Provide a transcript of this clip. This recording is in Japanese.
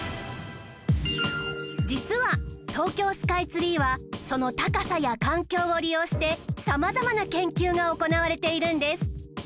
実は東京スカイツリーはその高さや環境を利用して様々な研究が行われているんです